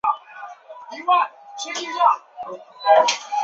其头部现在在德罗赫达的中展出。